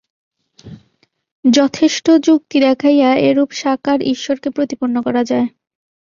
যথেষ্ট যুক্তি দেখাইয়া এরূপ সাকার ঈশ্বরকে প্রতিপন্ন করা যায়।